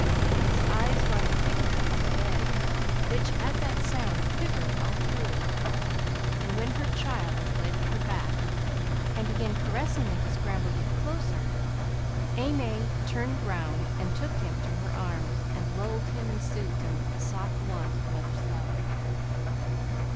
His eyes were on the figure upon the bed, which at that sound quivered all through; and when her child was laid at her back, and began caressingly to scramble yet closer, AimÄe turned round, and took him in her arms, and lulled him and soothed him with the soft wont of mother's love.